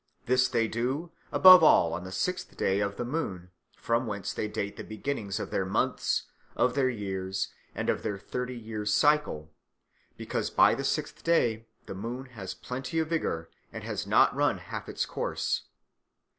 This they do above all on the sixth day of the moon, from whence they date the beginnings of their months, of their years, and of their thirty years' cycle, because by the sixth day the moon has plenty of vigour and has not run half its course.